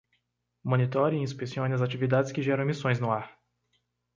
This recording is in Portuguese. Monitore e inspecione as atividades que geram emissões no ar.